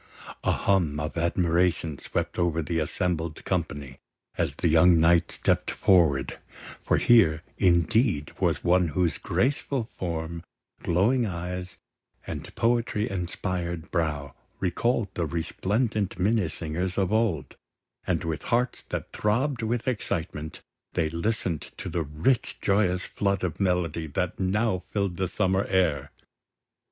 A hum of admiration swept over the assembled company as the young knight stepped forward, for here, indeed, was one whose graceful form, glowing eyes, and poetry inspired brow recalled the resplendent Minnesingers of old; and with hearts that throbbed with excitement, they listened to the rich joyous flood of melody that now filled the summer air.